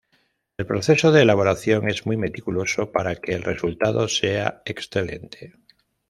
El proceso de elaboración es muy meticuloso para que el resultado sea excelente.